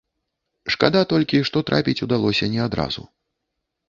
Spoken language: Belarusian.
Шкада толькі, што трапіць удалося не адразу.